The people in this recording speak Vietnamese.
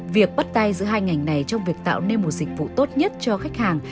việc bắt tay giữa hai ngành này trong việc tạo nên một dịch vụ tốt nhất cho khách hàng